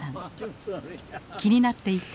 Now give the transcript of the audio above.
気になっていた